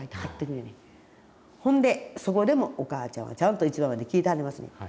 ほんでそこでもお母ちゃんはちゃんと一番前で聞いてはりますねん。